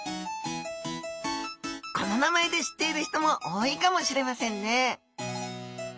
この名前で知っている人も多いかもしれませんね